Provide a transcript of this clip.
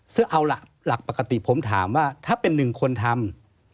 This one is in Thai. ซึ่งเอาหลักปกติผมถามว่าถ้าเป็น๑คนทำ